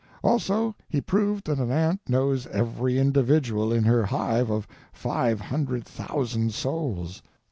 Also he proved that an ant knows every individual in her hive of five hundred thousand souls.